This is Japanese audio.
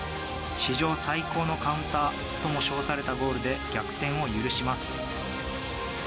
史上最高のカウンターとも称されたゴールで逆転を許します。